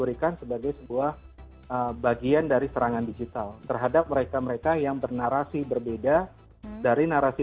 ini bukan lagi sekedar melewati bahasa